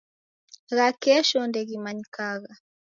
Gha kesho ndedighimanyagha.